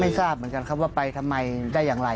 ทราบเหมือนกันครับว่าไปทำไมได้อย่างไร